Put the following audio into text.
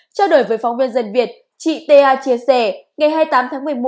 trao đổi với phóng viên dân việt chị ta chia sẻ ngày hai mươi tám tháng một mươi một